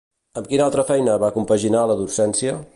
Amb quina altra feina va compaginar la docència?